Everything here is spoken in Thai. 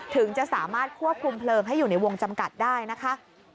ถึงจะสามารถควบคุมเพลิงให้อยู่ในวงจำกัดได้นะคะ